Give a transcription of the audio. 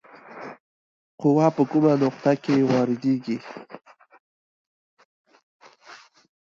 قوه په کومه نقطه کې واردیږي؟